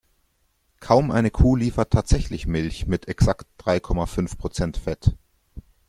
Kaum eine Kuh liefert tatsächlich Milch mit exakt drei Komma fünf Prozent Fett.